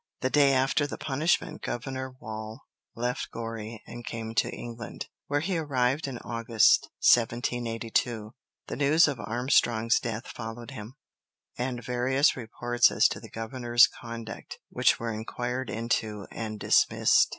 The day after the punishment Governor Wall left Goree and came to England, where he arrived in August, 1782. The news of Armstrong's death followed him, and various reports as to the governor's conduct, which were inquired into and dismissed.